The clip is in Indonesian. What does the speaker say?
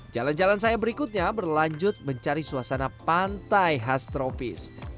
jalan jalan saya berikutnya berlanjut mencari suasana pantai khas tropis